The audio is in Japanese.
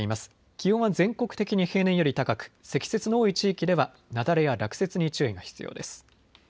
気温は全国的に平年より高く積雪の多い地域では雪崩や落雪に注意が必要です。